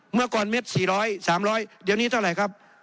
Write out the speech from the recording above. เมื่อก่อนเม็ด๔๐๐๓๐๐เดี๋ยวนี้เท่าไหร่ครับ